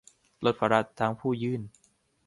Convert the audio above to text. ลดภาระทั้งผู้ยื่น